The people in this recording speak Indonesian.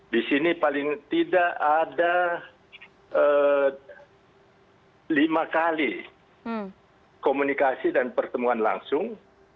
di sini paling tidak ada lima kali komunikasi dan pertemuan langsung